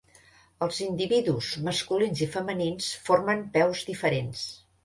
Els individus masculins i femenins formen peus diferents.